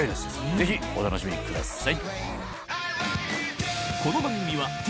ぜひお楽しみください。